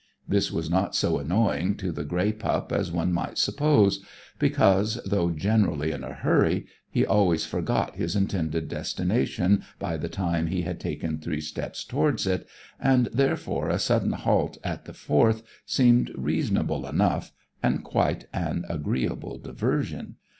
This was not so annoying to the grey pup as one might suppose, because, though generally in a hurry, he always forgot his intended destination by the time he had taken three steps towards it, and therefore a sudden halt at the fourth seemed reasonable enough, and quite an agreeable diversion.